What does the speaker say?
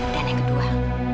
dan yang kedua